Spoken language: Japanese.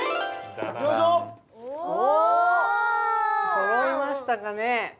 そろいましたかね？